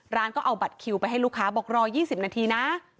ร้านก็เอาบัตรคิวไปให้ลูกค้าบอกรอ๒๐นาทีนะ